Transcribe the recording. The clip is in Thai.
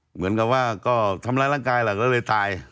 เหมือนกับว่าก็ทำร้ายร่างกายแหละก็เลยตาย